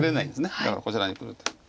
だからこちらにくると。